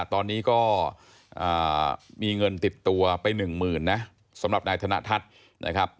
ตอนนี้ก็มีเงินติดตัวไปหนึ่งหมื่นนะสำหรับนายธนทัศน์นะครับ